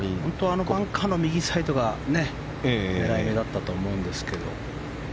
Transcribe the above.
バンカーの右サイドが狙い目だったと思うんですけど。